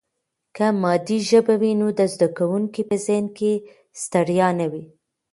که مادي ژبه وي نو د زده کوونکي په ذهن کې ستړیا نه وي.